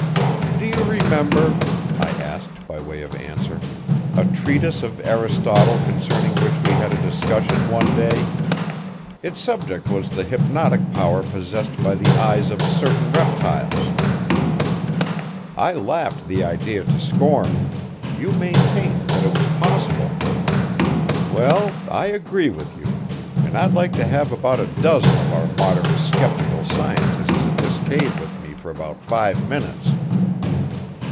"Do you remember," I asked by way of answer, "a treatise of Aristotle concerning which we had a discussion one day? Its subject was the hypnotic power possessed by the eyes of certain reptiles. I laughed the idea to scorn; you maintained that it was possible. Well, I agree with you; and I'd like to have about a dozen of our modern skeptical scientists in this cave with me for about five minutes."